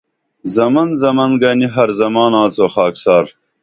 زمن زمن گنیں ہرزمان آڅو خاکسار